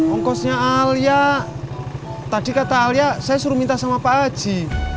ongkosnya alia tadi kata alia saya suruh minta sama pak haji